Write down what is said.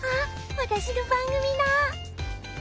わたしの番組だ！